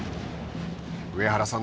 上原さん